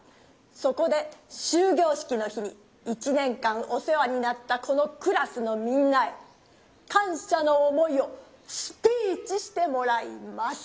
そこで終業式の日に１年間おせわになったこのクラスのみんなへかんしゃの思いをスピーチしてもらいます。